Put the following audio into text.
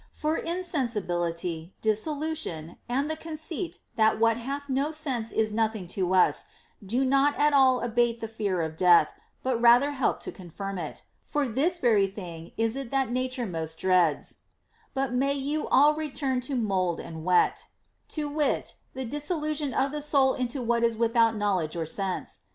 For insensibility, dissolution, and the conceit that what hath no sense is nothing to us, do not at all abate the fear of death, but rather help to confirm it ; for this very thing is it that nature most dreads, — But may you all return to mould and wet,* to wit, the dissolution of the soul into what is without knowledge or sense.